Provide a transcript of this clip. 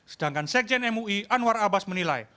sedangkan sekjen mui anwar abbas menilai